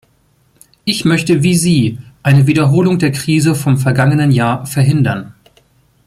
Ich möchte wie Sie eine Wiederholung der Krise vom vergangenen Jahr verhindern.